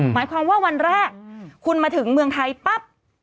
หมายความว่าวันแรกคุณมาถึงเมืองไทยปั๊บ